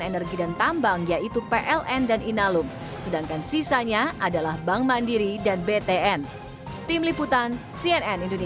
energi dan tambang yaitu pln dan inalum sedangkan sisanya adalah bank mandiri dan btn tim liputan cnn indonesia